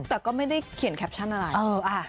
แต่ก็ไม่ได้เขียนแคปชั่นอะไร